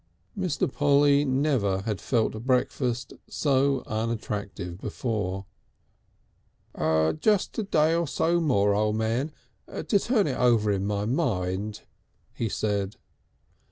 Mr. Polly had never felt breakfast so unattractive before. "Just a day or so more, O' Man to turn it over in my mind," he said.